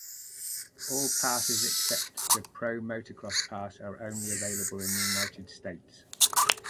All passes except the Pro Motocross Pass are only available in the United States.